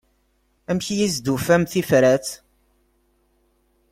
Amek i as-d-tufam tifrat?